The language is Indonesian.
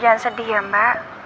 jangan sedih ya mba